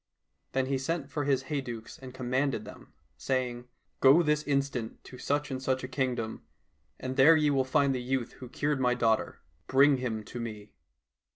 Then he sent for his hey ducks and commanded them, saying, " Go this instant to such and such a kingdom, and there ye will find the youth who cured my daughter ; bring him to me."